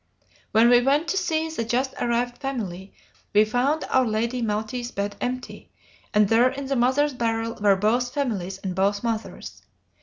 When we went to see the just arrived family, we found our Lady Malty's bed empty, and there in her mother's barrel were both families and both mothers.